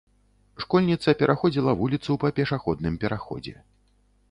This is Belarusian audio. Школьніца пераходзіла вуліцу па пешаходным пераходзе.